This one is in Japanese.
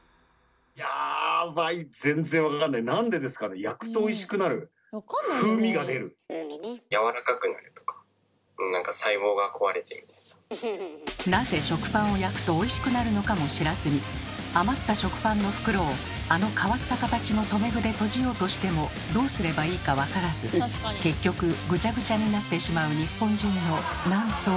やばいなぜ食パンを焼くとおいしくなるのかも知らずに余った食パンの袋をあの変わった形の留め具で閉じようとしてもどうすればいいか分からず結局ぐちゃぐちゃになってしまう日本人のなんと多いことか。